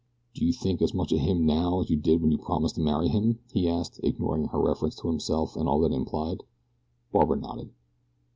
"Do you think as much of him now as you did when you promised to marry him?" he asked, ignoring her reference to himself and all that it implied. Barbara nodded.